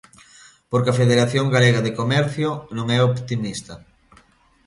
Porque a Federación Galega de Comercio non é optimista.